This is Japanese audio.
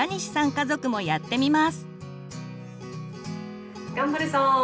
家族もやってみます！